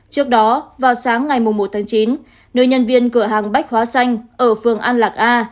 trước đó vào sáng ngày một tháng chín nữ nhân viên cửa hàng bách hóa xanh ở phường an lạc a